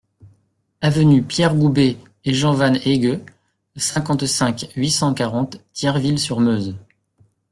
Avenue Pierre Goubet et Jean Van Heeghe, cinquante-cinq, huit cent quarante Thierville-sur-Meuse